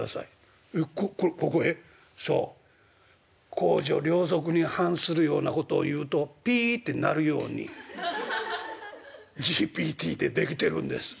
公序良俗に反するようなことを言うとぴって鳴るようにＧＰＴで出来てるんです」。